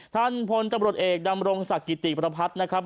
ท่านพลตำรวจเอกดำรงศักดิ์กิติประพัฒน์นะครับ